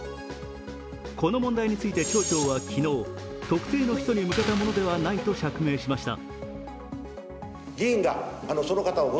この問題について町長は昨日、特定の人に向けたものではないと釈明しました。